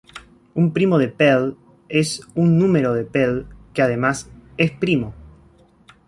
Un primo de Pell es un número de Pell que además es primo.